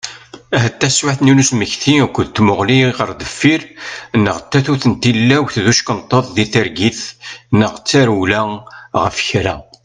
Ahat d taswiɛt-nni n usmekti akked tmuɣli ɣer deffir, neɣ d tatut n tilawt d uckenṭeḍ di targit, neɣ d tarewla ɣef kra.